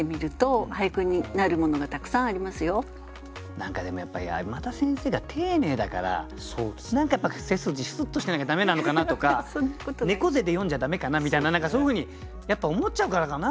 何かでもやっぱ山田先生が丁寧だから何かやっぱ背筋スッとしてなきゃ駄目なのかなとか猫背で詠んじゃ駄目かなみたいな何かそういうふうにやっぱ思っちゃうからかな？